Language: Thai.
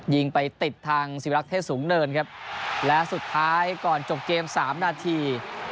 ยิงไปติดทางศิวรักษ์เทศสูงเนินครับและสุดท้ายก่อนจบเกมสามนาที